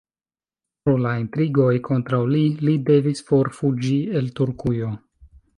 Pro la intrigoj kontraŭ li, li devis forfuĝi el Turkujo.